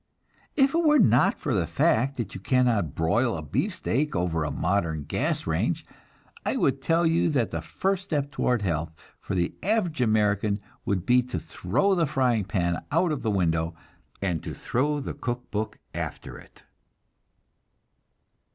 If it were not for the fact that you cannot broil a beefsteak over a modern gas range, I would tell you that the first step toward health for the average American would be to throw the frying pan out of the window, and to throw the cook book after it.